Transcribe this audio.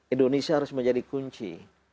indonesia harus menjadi kunci